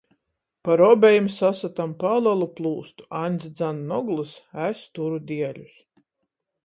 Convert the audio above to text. Par obejim sasytam palelu plūstu — Aņds dzan noglys, es turu dieļus.